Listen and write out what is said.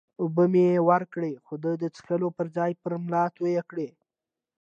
اوبه مې ورکړې، خو ده د څښلو پر ځای پر ملا توی کړې.